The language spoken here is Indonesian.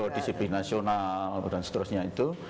disiplin nasional dan seterusnya itu